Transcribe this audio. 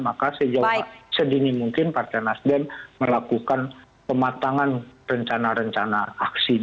maka sejauh sedini mungkin partai nasdem melakukan pematangan rencana rencana aksi